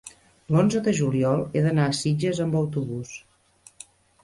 l'onze de juliol he d'anar a Sitges amb autobús.